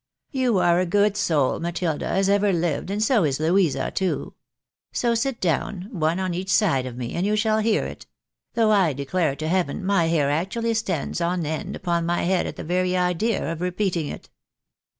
" You are a good soul, Matilda, as ever Hved, and so is Louisa too. So sit you down, one on each side of me, and you shall hear it ; though I declare to heaven my hair actually stands on end upon my head at the very idea of repeating it."